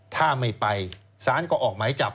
ถ้าไม่ไปสารก็ออกหมายจับ